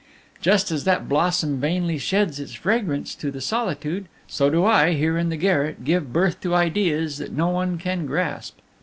Just as that blossom vainly sheds its fragrance to the solitude, so do I, here in the garret, give birth to ideas that no one can grasp.